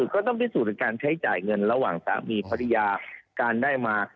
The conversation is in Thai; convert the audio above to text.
ก็ต้องพิสูจนการใช้จ่ายเงินระหว่างสามีภรรยาการได้มา